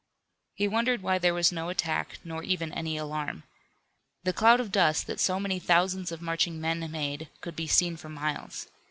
He wondered why there was no attack, nor even any alarm. The cloud of dust that so many thousands of marching men made could be seen for miles.